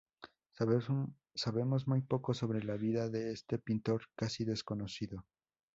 Sabemos muy poco sobre la vida de este pintor casi desconocido.